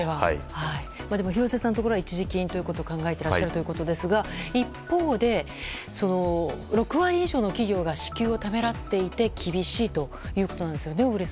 廣瀬さんのところは一時金ということを考えていらっしゃるそうですが一方で、６割以上の企業が支給をためらっていて厳しいということなんですね。